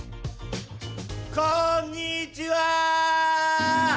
こんにちは！